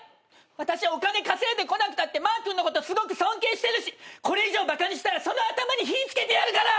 私お金稼いでこなくたってマー君のことすごく尊敬してるしこれ以上バカにしたらその頭に火付けてやるから！